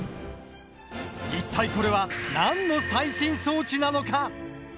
一体これは何の最新装置なのか？